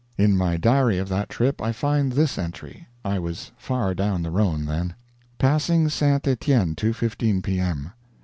In my diary of that trip I find this entry. I was far down the Rhone then: "Passing St. Etienne, 2:15 P.M.